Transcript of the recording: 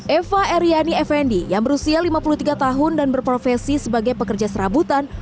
eva eriani effendi yang berusia lima puluh tiga tahun dan berprofesi sebagai pekerja serabutan